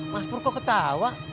mas pur kok ketawa